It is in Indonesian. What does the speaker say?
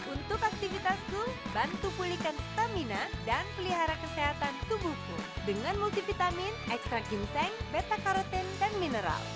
untuk aktivitasku bantu pulihkan stamina dan pelihara kesehatan tubuhku dengan multivitamin ekstrak ginseng beta karotin dan mineral